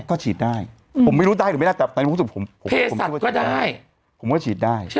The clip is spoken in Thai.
ก็ฉีดได้ผมไม่รู้ได้หรือไม่รู้แต่ภายในรู้สึกผมผมก็ฉีดได้